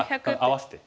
合わせて。